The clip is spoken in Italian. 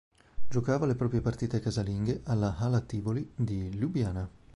Giocava le proprie partite casalinghe alla "Hala Tivoli" di Lubiana.